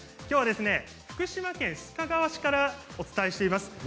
きょうは福島県須賀川市からお伝えしています。